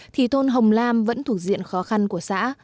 thì thôn hồng lam vẫn thuộc diện khó khăn của xã